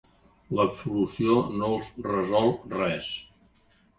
L'absolució no els resol res.